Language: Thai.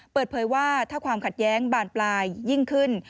เปิดเผยว่าถ้าความขัดแย้งบานปลายยิ่งขึ้น